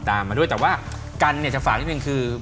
ตามมาด้วยแต่ว่ากันเนี่ยจะฝากนิดนึงคือ